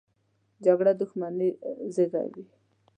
جګړه دښمني زېږوي